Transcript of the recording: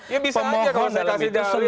ya bisa aja kalau saya kasih dalil